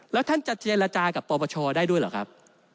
แล้วท่านจะเจรจากับปปชได้ด้วยเหรอครับ